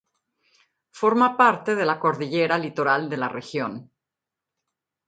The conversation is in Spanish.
Forma parte de la cordillera litoral de la Región.